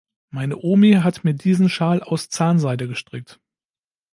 Meine Omi hat mir diesen Schal aus Zahnseide gestrickt.